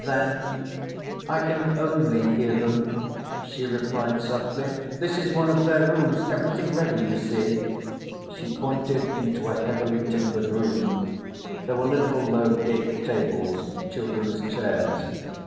Then, "I can only hear them," she replied softly. "This is one of their rooms—everything ready, you see." She pointed into a heavily timbered room. There were little low gate tables and children's chairs.